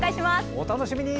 お楽しみに。